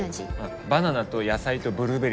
バナナと野菜とブルーベリーっす。